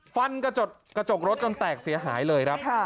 กระจกรถจนแตกเสียหายเลยครับ